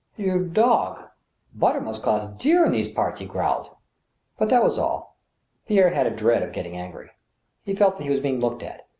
" You dog ! Butter must cost dear in these parts," he growled. But that was all. Pierre had a dread of getting angry. He felt that he was being looked at.